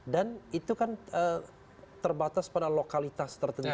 dan itu kan terbatas pada lokalitasnya